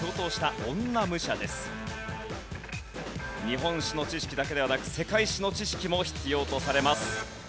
日本史の知識だけではなく世界史の知識も必要とされます。